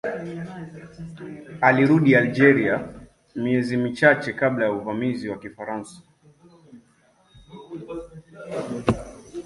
Alirudi Algeria miezi michache kabla ya uvamizi wa Kifaransa.